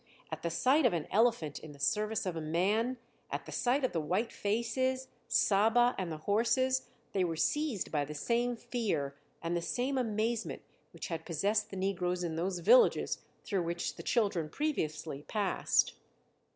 At the sight of an elephant in the service of a man, at the sight of the white faces, Saba, and the horses, they were seized by the same fear and the same amazement which had possessed the negroes in those villages through which the children previously passed.